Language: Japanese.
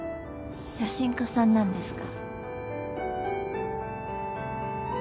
写真家さんなんですか？